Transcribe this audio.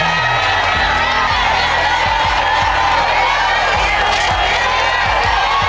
หก